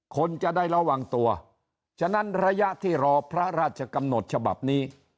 คนจะได้ระวังตัวฉะนั้นระยะที่รอพระราชกำหนดฉบับนี้